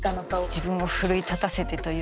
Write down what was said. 自分を奮い立たせてというか。